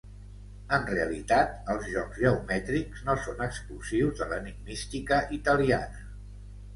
En realitat, els jocs geomètrics no són exclusius de l'enigmística italiana.